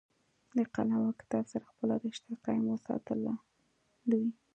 د قلم او کتاب سره خپله رشته قائم اوساتله دوي